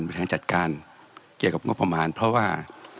แบบทางจัดการเกี่ยวกับว่าประมาณเพราะว่า